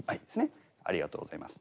ありがとうございます。